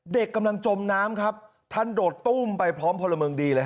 เด็กกำลังจมน้ำครับท่านโดดตุ้มไปพร้อมพลเมืองดีเลยฮ